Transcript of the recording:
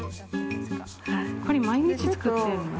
これ毎日作ってるの？